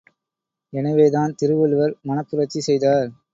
எனவேதான் திருவள்ளுவர் மனப்புரட்சி செய்தார்.